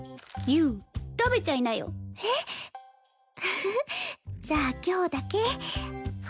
フフッじゃあ今日だけ。